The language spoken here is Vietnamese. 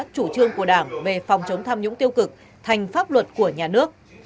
chủ trương của đảng về phòng chống tham nhũng tiêu cực thành pháp luật của nhà nước